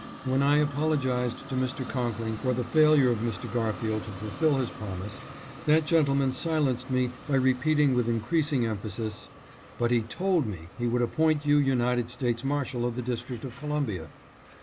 When I apologized to Mr. Conkling for the failure of Mr. Gar field to fulfill his promise, that gentleman silenced me by repeating with increasing emphasis, " But he told me he would appoint you United States Marshal of the District of Columbia."